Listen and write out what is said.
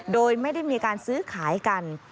โดยไม่ได้มีการซื้อขายกัน